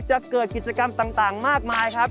จะเกิดกิจกรรมต่างมากมายครับ